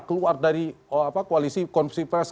keluar dari koalisi konfe pres